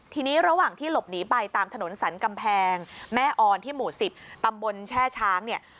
ทีนี้ระหว่างที่หลบหนีไปตามถนนสรรกำแพงแม่ออนที่หมู่๑๐ตำบลแช่ช้างเนี่ย